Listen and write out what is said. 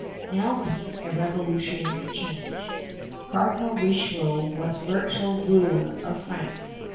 Now came a revolutionary change. Cardinal Richelieu was virtual ruler of France.